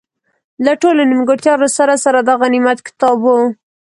له ټولو نیمګړتیاوو سره سره، دا غنیمت کتاب وو.